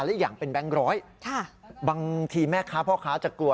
อีกอย่างเป็นแบงค์ร้อยบางทีแม่ค้าพ่อค้าจะกลัว